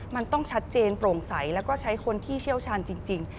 มันต้องชัดเจนโปร่งใสแล้วก็ใช้คนที่เชี่ยวชาญจริง